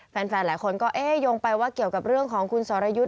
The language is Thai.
แฟนหลายคนก็เอ๊ะโยงไปว่าเกี่ยวกับเรื่องของคุณสรยุทธ์